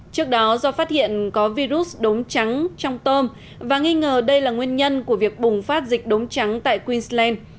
trước đó do phát hiện có virus đốm trắng trong tôm và nghi ngờ đây là nguyên nhân của việc bùng phát dịch đốm trắng tại queensland